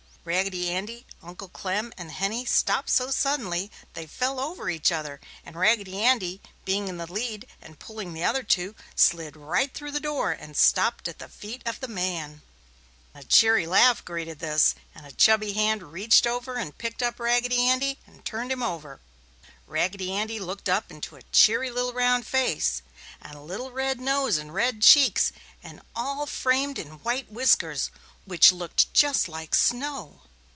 Raggedy Andy, Uncle Clem and Henny stopped so suddenly they fell over each other and Raggedy Andy, being in the lead and pulling the other two, slid right through the door and stopped at the feet of the man. A cheery laugh greeted this and a chubby hand reached down and picked up Raggedy Andy and turned him over. Raggedy Andy looked up into a cheery little round face, with a little red nose and red cheeks, and all framed in white whiskers which looked just like snow.